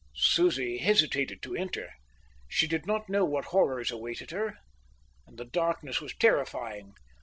Susie hesitated to enter. She did not know what horrors awaited her, and the darkness was terrifying.